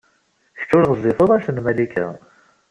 Kecc ur ɣezzifed anect n Malika.